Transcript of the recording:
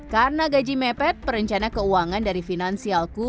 karena gaji mepet perencana keuangan dari finansialku